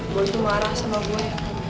gue itu marah sama gue